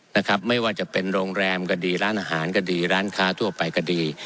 นะครับไม่ว่าจะเป็นโรงแรมก็ดีร้านอาหารก็ดีร้านค้าทั่วไปก็ดี